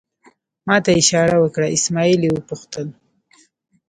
ما ته یې اشاره وکړه، اسمعیل یې وپوښتل.